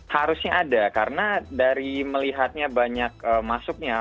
harusnya ada karena dari melihatnya banyak masuknya